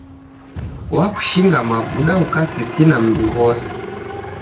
W'akushinga mavuda ukasisina mb'i ghose